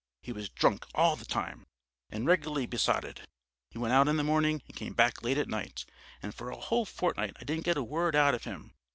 He was drunk all the time, and regularly besotted. He went out in the morning and came back late at night, and for a whole fortnight I didn't get a word out of him.